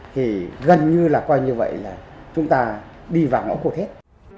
thì gần như là coi vậy là chúng ta đi vào mỗi cuộc tết